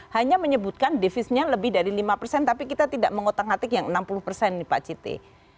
hanya menyebutkan defisitnya lebih dari lima tapi kita tidak mengotak atik yang enam puluh pak citi